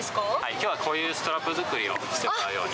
きょうはこういうストラップ作りをしてもらうように。